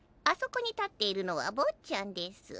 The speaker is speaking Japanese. あそこに立っているのは坊っちゃんです。